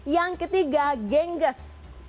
yang ketiga gengges